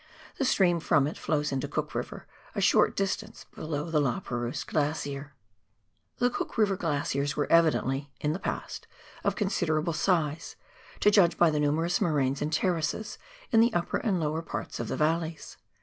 The stream from it flows into Cook River, a short distance below the La Perouse Glacier. The Cook River glaciers were evidently, in the past, of con siderable size, to judge by the numerous moraines and terraces ^FX<») Ce^an^ Ttiwm^ in the upper and lower parts of the valleys.